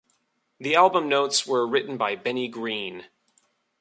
The album notes were written by Benny Green.